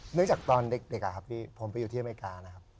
เรื่องจากตอนเด็กผมไปอยู่ที่อเมริกานะครับ